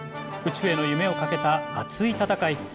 宇宙への夢をかけた熱い戦い。